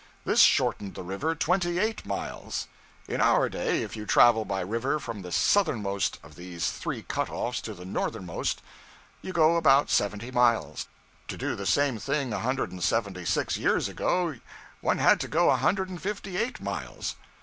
This shortened the river twenty eight miles. In our day, if you travel by river from the southernmost of these three cut offs to the northernmost, you go only seventy miles. To do the same thing a hundred and seventy six years ago, one had to go a hundred and fifty eight miles!